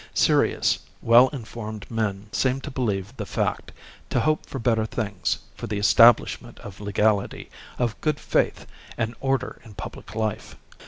Serious, well informed men seemed to believe the fact, to hope for better things, for the establishment of legality, of good faith and order in public life.